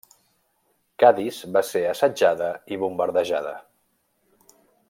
Cadis va ser assetjada i bombardejada.